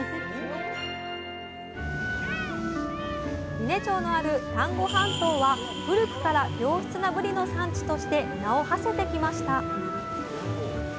伊根町のある丹後半島は古くから良質なぶりの産地として名をはせてきました